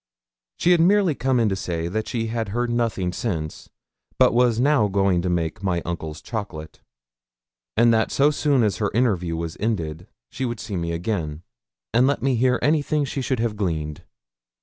She had merely come in to say that she had heard nothing since, but was now going to make my uncle's chocolate; and that so soon as her interview was ended she would see me again, and let me hear anything she should have gleaned.